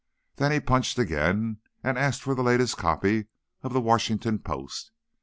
Then he punched again, and asked for the latest copy of the Washington Post.